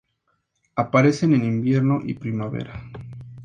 Aparecen en invierno y primavera.